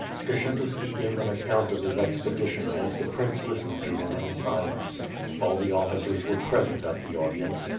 Skshetuski gave an account of his expedition and the prince listened to him in silence. All the officers were pre sent at the audience.